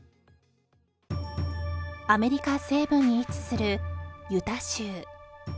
アメリカ西部に位置するユタ州